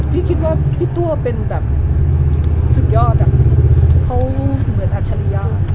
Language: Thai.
คิดว่าพี่ตัวเป็นแบบสุดยอดอะเขาเหมือนอัจฉริยะ